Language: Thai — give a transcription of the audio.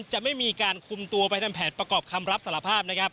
จะไม่มีการคุมตัวไปทำแผนประกอบคำรับสารภาพนะครับ